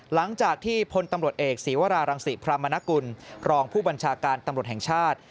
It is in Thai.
หลังจากที่พลตำรวจเอกศีวรารังศิพรามนกุลรองผู้บัญชาการตำรวจแห่งชาติ